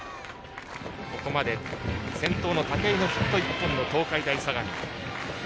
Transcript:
ここまで、先頭の武井のヒット１本の東海大相模。